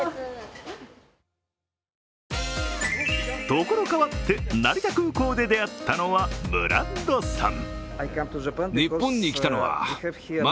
ところ変わって成田空港で出会ったのはブラッドさん。